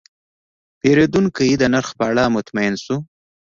پیرودونکی د نرخ په اړه مطمین شو.